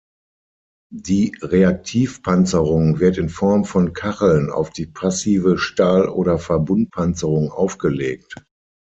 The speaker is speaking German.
Die Reaktivpanzerung wird in Form von Kacheln auf die passive Stahl- oder Verbundpanzerung aufgelegt.